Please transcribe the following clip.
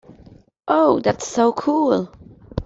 Ooh! That's so cool!